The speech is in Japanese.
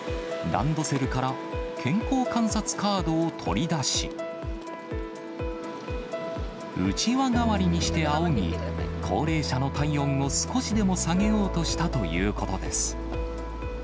ランドセルから健康観察カードを取り出し、うちわ代わりにしてあおぎ、高齢者の体温を少しでも下げようとしたということです。